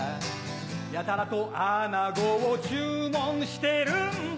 やたらとアナゴを注文してるんだ